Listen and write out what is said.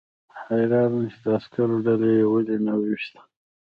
حیران وم چې د عسکرو ډله یې ولې ونه ویشته